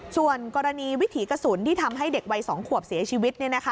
ส่วนกรณีวิถีกระสุนที่ทำให้เด็กวัย๒ขวบเสียชีวิต